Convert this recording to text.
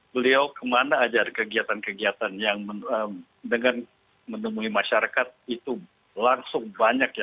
beliau kemana aja kegiatan kegiatan yang dengan menemui masyarakat itu langsung banyak ya